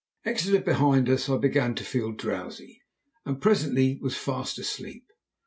Exeter behind us, I began to feel drowsy, and presently was fast asleep.